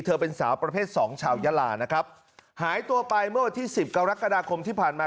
เธอเป็นสาวประเภทสองชาวยาลานะครับหายตัวไปเมื่อวันที่สิบกรกฎาคมที่ผ่านมา